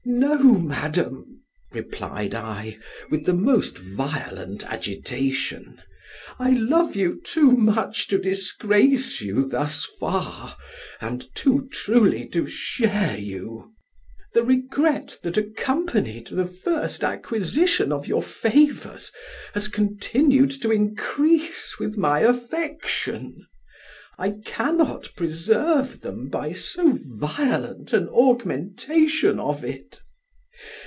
"No, madam," replied I, with the most violent agitation, "I love you too much to disgrace you thus far, and too truly to share you; the regret that accompanied the first acquisition of your favors has continued to increase with my affection. I cannot preserve them by so violent an augmentation of it.